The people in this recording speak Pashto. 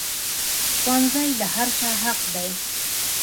ښوونځی د هر چا حق دی